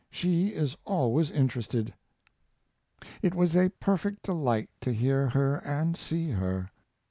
She is always interested." It was a perfect delight to hear her and see her.